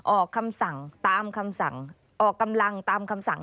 ออกคำสั่งตามคำสั่งออกกำลังตามคำสั่ง